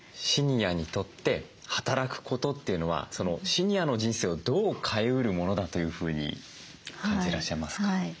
シニアにとって働くことっていうのはシニアの人生をどう変えうるものだというふうに感じてらっしゃいますか？